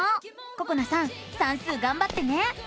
ここなさん算数がんばってね！